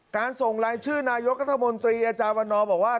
ส่งรายชื่อนายกรัฐมนตรีอาจารย์วันนอบอกว่า